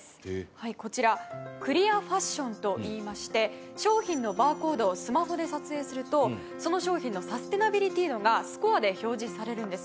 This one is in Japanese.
はいこちらクリアファッションといいまして商品のバーコードをスマホで撮影するとその商品のサスティナビリティ度がスコアで表示されるんです。